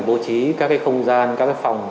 bố trí các cái không gian các cái phòng